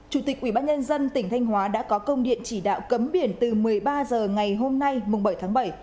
chủ tịch ubnd tỉnh thanh hóa đã có công điện chỉ đạo cấm biển từ một mươi ba h ngày hôm nay mùng bảy tháng bảy